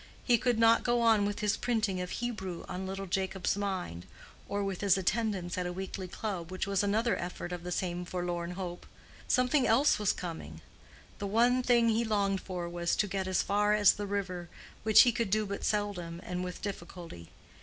He could not go on with his printing of Hebrew on little Jacob's mind; or with his attendance at a weekly club, which was another effort of the same forlorn hope: something else was coming. The one thing he longed for was to get as far as the river, which he could do but seldom and with difficulty.